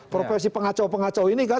profesi pengacau pengacau ini kan